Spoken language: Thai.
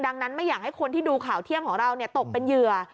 ดังนั้นไม่อยากให้คนที่ดูข่าวเที่ยงของเราตกเป็นเหยื่อ